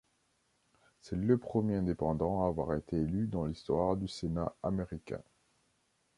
C'est le premier indépendant à avoir été élu dans l'histoire du Sénat américain.